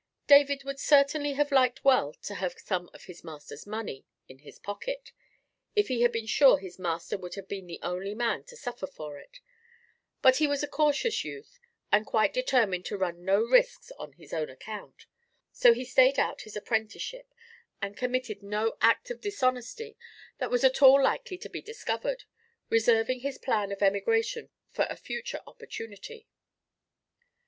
David would certainly have liked well to have some of his master's money in his pocket, if he had been sure his master would have been the only man to suffer for it; but he was a cautious youth, and quite determined to run no risks on his own account. So he stayed out his apprenticeship, and committed no act of dishonesty that was at all likely to be discovered, reserving his plan of emigration for a future opportunity.